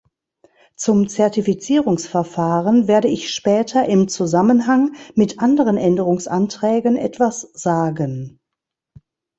Zum Zertifizierungsverfahren werde ich später im Zusammenhang mit anderen Änderungsanträgen etwas sagen.